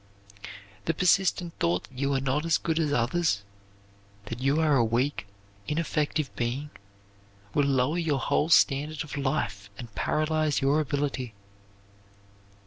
The persistent thought that you are not as good as others, that you are a weak, ineffective being, will lower your whole standard of life and paralyze your ability.